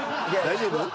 大丈夫？